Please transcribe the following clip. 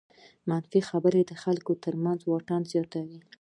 منفي خبرې د خلکو تر منځ واټن زیاتوي.